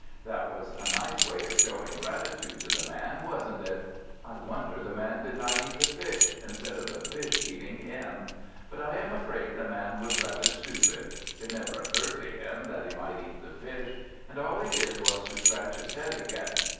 That was a nice way of showing gratitude to the Man, wasn't it? I wonder the Man did not eat the Fish, instead of the Fish eating him. But I am afraid the Man was rather stupid. It never occurred to him that he might eat the Fish, and all he did was to scratch his head again.